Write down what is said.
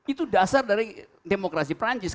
itu dasar dari demokrasi perancis